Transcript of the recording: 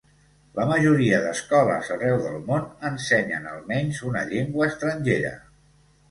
La majoria d'escoles arreu del món ensenyen almenys una llengua estrangera.